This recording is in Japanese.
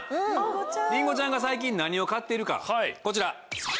りんごちゃんが最近何を買っているかこちら。